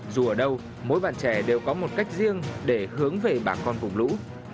dù ở đâu mỗi bạn trẻ đều có một cách riêng để hướng về bà con vùng lũ